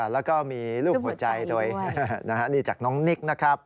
แล้วก็มีรูปหัวใจตัวเองนี่จากน้องนิกนะครับ